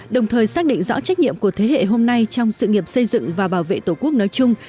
đồng thời xác định rõ trách nhiệm của thế hệ hôm nay trong sự nghiệp xây dựng và bảo vệ tổ quốc nói chung